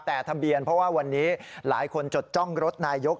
แต่ทะเบียนเพราะว่าวันนี้หลายคนจดจ้องรถนายก